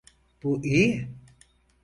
Bu iyi.